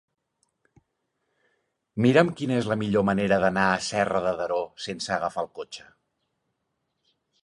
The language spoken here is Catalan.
Mira'm quina és la millor manera d'anar a Serra de Daró sense agafar el cotxe.